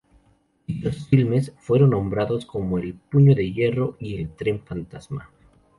Dichos filmes fueron nombrados como "El puño de Hierro" y "El tren fantasma".